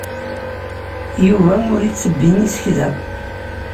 Yuba ur ittebbi isekla.